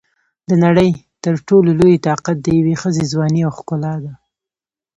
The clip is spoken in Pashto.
د نړۍ تر ټولو لوی طاقت د یوې ښځې ځواني او ښکلا ده.